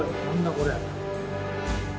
これ。